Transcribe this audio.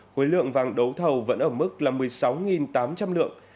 khối lượng vàng đấu thầu vẫn ở mức là một mươi sáu tám trăm linh lượng